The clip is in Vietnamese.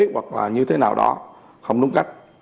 hoặc là như thế nào đó không đúng cách